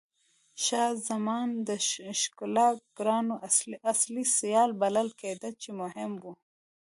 شاه زمان د ښکېلاګرانو اصلي سیال بلل کېده چې مهم و.